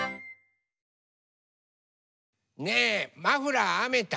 ねえマフラーあめた？